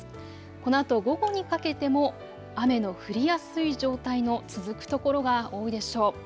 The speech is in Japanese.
このあと午後にかけても雨の降りやすい状態の続く所が多いでしょう。